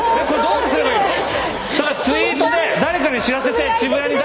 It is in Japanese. ツイートで誰かに知らせて。